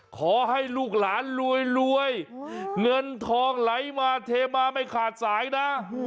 ขอให้ลูกหลานรวยเงินทองไหลมาเทมาไม่ขาดสายนะ